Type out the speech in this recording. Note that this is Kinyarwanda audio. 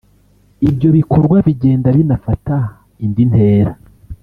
Ibyo bikorwa bigenda binafata indi ntera